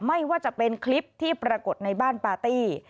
ไม่ว่าจะเป็นคลิปที่ปรากฏในบ้านปาร์ตี้